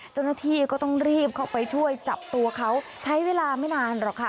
เจ้าหน้าที่ก็ต้องรีบเข้าไปช่วยจับตัวเขาใช้เวลาไม่นานหรอกค่ะ